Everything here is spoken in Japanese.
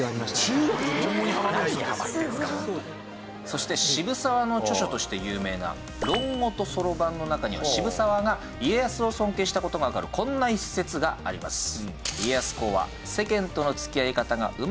そして渋沢の著書として有名な『論語と算盤』の中には渋沢が家康を尊敬した事がわかるこんな一説があります。